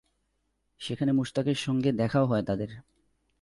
সেখানে মুশতাকের সঙ্গে দেখাও হয় তাঁদের।